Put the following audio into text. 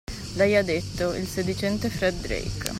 Lei ha detto: il sedicente Fred Drake.